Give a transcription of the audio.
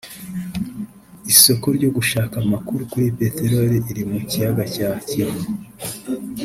Isoko ryo gushaka amakuru kuri peterori iri mu kiyaga cya Kivu